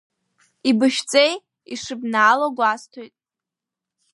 Ибышәҵеи, ишыбнаало гәасҭоит.